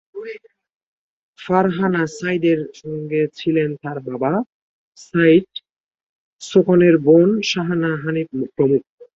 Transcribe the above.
ফারহানা সাঈদের সঙ্গে ছিলেন তাঁর বাবা, সাঈদ খোকনের বোন শাহানা হানিফ প্রমুখ।